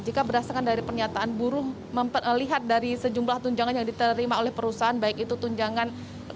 jika berdasarkan dari pernyataan buruh melihat dari sejumlah tunjangan yang diterima oleh perusahaan baik itu tunjangan